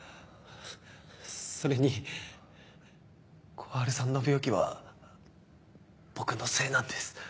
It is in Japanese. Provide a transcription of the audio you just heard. それに小春さんの病気は僕のせいなんです。